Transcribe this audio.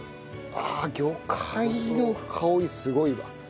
ああ魚介の香りすごいわ。